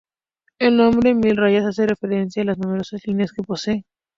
El nombre mil rayas hace referencia a las numerosas líneas que posee.